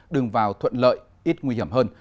đường vào thuận lợi ít nguy hiểm hơn